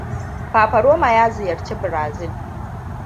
Fafaroma ya ziyarci Brazil.